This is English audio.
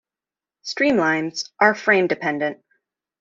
Streamlines are frame-dependent.